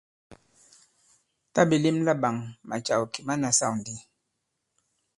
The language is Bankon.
Tǎ ɓè lem laɓāŋ, màcàw kì ma nasâw ndi.